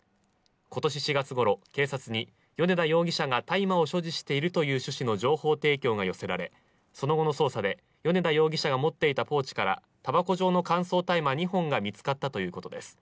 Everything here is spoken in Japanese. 今年４月ごろ、警察に米田容疑者が大麻を所持しているという趣旨の情報提供が寄せられその後の捜査で米田容疑者が持っていたポーチからたばこ状の乾燥大麻２本が見つかったということです。